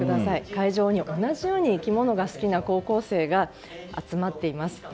会場には、同じように生き物が好きな高校生が集まっています。